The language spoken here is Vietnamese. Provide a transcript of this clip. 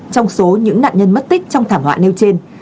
trong số những nạn nhân mất tích trong thảm họa nêu trên